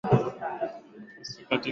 ee tuna zaidi ya wasanii